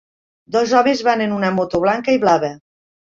Dos homes van en una moto blanca i blava.